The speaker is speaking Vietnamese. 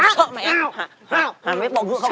tao sợ mày